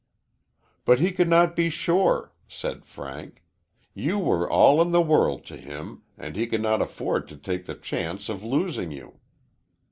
"But he could not be sure," said Frank. "You were all in the world to him, and he could not afford to take the chance of losing you."